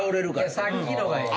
いやさっきのがええ。